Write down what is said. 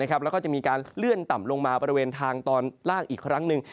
แล้วก็จะมีการเลื่อนต่ำลงมาบริเวณทางตอนล่างอีกครั้งหนึ่ง